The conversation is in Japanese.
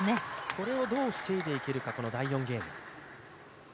これをどう防いでいけるか、第４ゲーム。